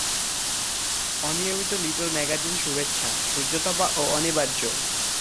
অনিয়মিত little magazine শুভেচ্ছা, সূর্যতপা ও অনির্বাণ।